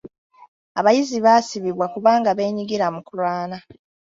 Abayizi baasibibwa kubanga beenyigira mu kulwana.